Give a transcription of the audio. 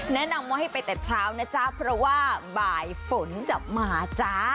แนะนำว่าให้ไปแต่เช้านะจ๊ะเพราะว่าบ่ายฝนจะมาจ้า